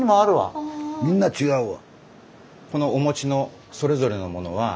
みんな違うわ。